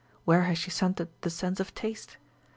Where has she centred the sense of taste